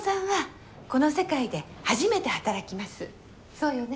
そうよね？